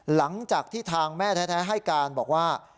หลังจากที่ทางแม่แท้ให้การบอกว่า